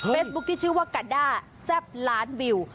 ที่ชื่อว่ากาด้าแซ่บล้านวิว